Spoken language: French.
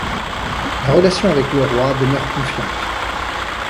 La relation avec le roi demeure confiante.